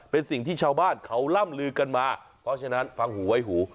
เป็นสิ่งที่ชาวบ้านเขาล่ำลือกันมาเพราะฉะนั้นฟังหูไว้หู